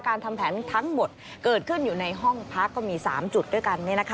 ทำแผนทั้งหมดเกิดขึ้นอยู่ในห้องพักก็มี๓จุดด้วยกัน